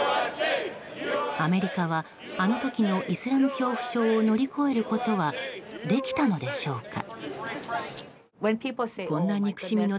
アメリカはあの時のイスラム恐怖症を乗り越えることはできたのでしょうか。